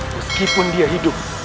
meskipun dia hidup